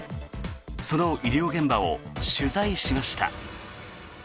その医療現場を取材しました。